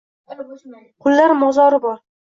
qullar mozori bor